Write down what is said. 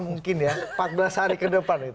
mungkin ya empat belas hari ke depan